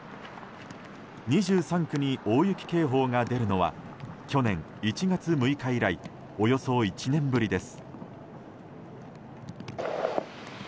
２３区に大雪警報が出るのは去年１月６日以来およそ１年ぶりです。